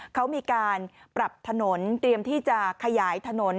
เขามีการปรับถนนเตรียมที่จะขยายถนน